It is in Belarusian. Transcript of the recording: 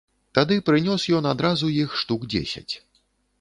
Тады прынёс ён адразу іх штук дзесяць.